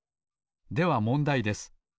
ではもんだいです。